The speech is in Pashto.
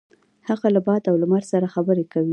هغه له باد او لمر سره خبرې کوي.